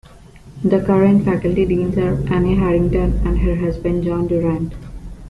The current Faculty Deans are Anne Harrington and her husband, John Durant.